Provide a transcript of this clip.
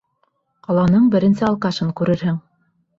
Ҡаланың беренсе алкашын күрерһең.